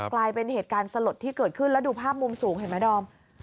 กลายเป็นเหตุการณ์สลดที่เกิดขึ้นแล้วดูภาพมุมสูงเห็นไหมดอม